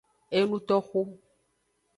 Enutoxu.